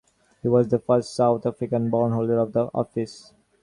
He was the first South African-born holder of the office.